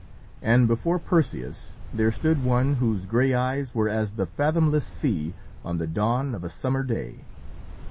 And before Perseus there stood one whose grey eyes were as the fathomless sea on the dawn of a summer day.